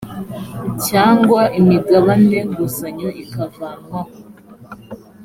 cyangwa imigabane nguzanyo ikavanwaho